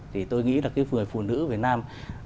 thì tôi nghĩ là cái người phụ nữ việt nam